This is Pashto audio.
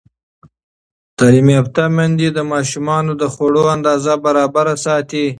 تعلیم یافته میندې د ماشومانو د خوړو اندازه برابره ساتي.